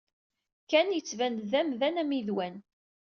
Ken yettban-d d amdan ammidwan.